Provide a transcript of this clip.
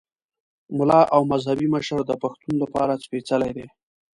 ملا او مذهبي مشر د پښتون لپاره سپېڅلی دی.